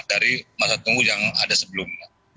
dari masa tunggu yang ada sebelumnya